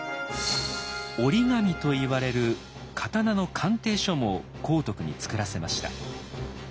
「折紙」といわれる刀の鑑定書も光徳に作らせました。